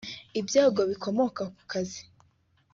ibyago bikomoka ku kazi